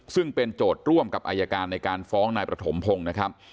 ซึ่งเป็นโจทย์ร่วมกับอายการในการฟ้องนายประถมพงศ์นะครับ